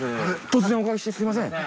突然お伺いしてすいません。